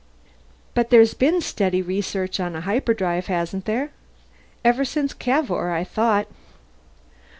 "But there's been steady research on a hyperdrive, hasn't there? Ever since Cavour, I thought."